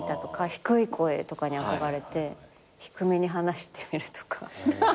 低い声とかに憧れて低めに話してみるとか。